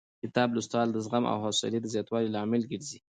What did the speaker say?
کتاب لوستل د زغم او حوصلې د زیاتوالي لامل ګرځي.